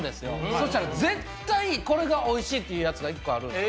そうしたら絶対これがおいしいっていうやつが１個ある。